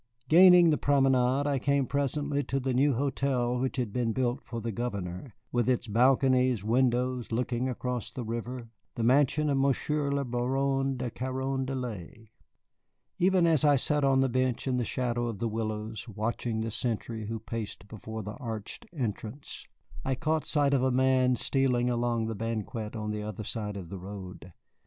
Gaining the promenade, I came presently to the new hotel which had been built for the Governor, with its balconied windows looking across the river the mansion of Monsieur le Baron de Carondelet. Even as I sat on the bench in the shadow of the willows, watching the sentry who paced before the arched entrance, I caught sight of a man stealing along the banquette on the other side of the road.